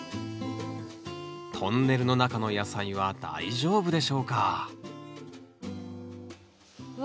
トンネルの中の野菜は大丈夫でしょうかわ！